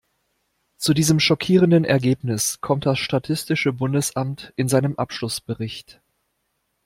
Zu diesem schockierenden Ergebnis kommt das statistische Bundesamt in seinem Abschlussbericht.